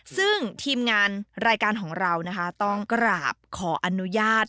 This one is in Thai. ซึ่งทีมงานรายการของเรานะคะต้องกราบขออนุญาต